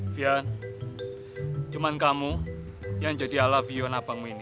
fian cuma kamu yang jadi ala bion abangmu ini